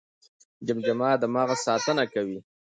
جمجمه د مغز ساتنه کوي